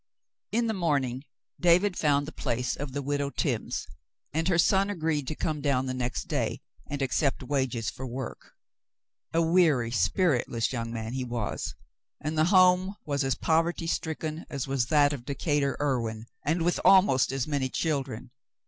In the morning, David found the place of the Widow Timms, and her son agreed to come down the next day and accept wages for work. A weary, spiritless young man he was, and the home as poverty stricken as was that of Decatur Irwin, and with almost as many children.